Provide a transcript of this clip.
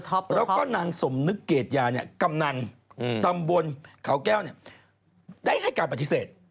แล้วก็นางสมนึกเกรดยาเนี่ยกำนันตำบลเขาแก้วเนี่ยได้ให้การปฏิเสธ